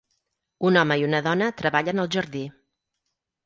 Un home i una dona treballen al jardí.